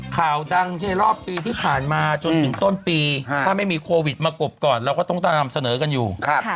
ข่าวดังในรอบปีที่ผ่านมาจนถึงต้นปีถ้าไม่มีโควิดมากบก่อนเราก็ต้องตามเสนอกันอยู่